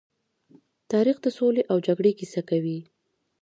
تاریخ د سولې او جګړې کيسه کوي.